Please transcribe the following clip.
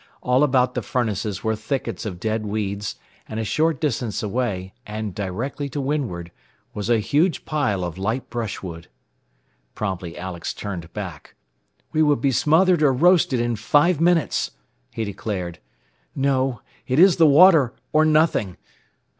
All about the furnaces were thickets of dead weeds, and a short distance away, and directly to windward, was a huge pile of light brushwood. Promptly Alex turned back. "We would be smothered or roasted in five minutes," he declared. "No. It is the water, or nothing.